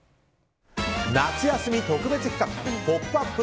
夏休み特別企画「ポップＵＰ！」